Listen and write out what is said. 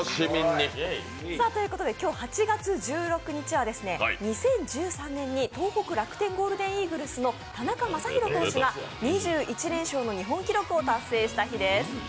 今日、８月１６日は２０１３年に東北楽天イーグルスの田中将大投手が２１連勝の日本記録を達成した日です。